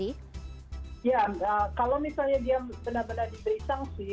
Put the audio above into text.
ya kalau misalnya dia benar benar diberi sanksi